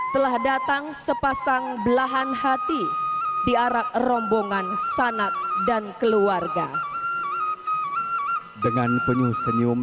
telah datang sepasang belahan hati di arak rombongan sanak dan keluarga dengan penuh senyum